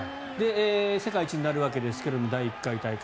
世界一になるわけですが第１回大会。